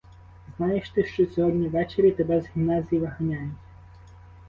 Знаєш ти, що сьогодні ввечері тебе з гімназії виганяють?